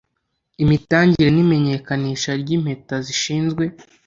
imitangire n’imenyekanisha ry’Impeta z’Ishimwe